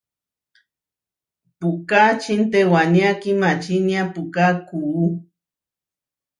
Puʼka čintewania kimačinia, puʼká kuú.